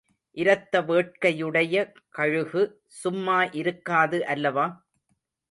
இரத்த வேட்கையுடைய கழுகு சும்மா இருக்காது அல்லவா?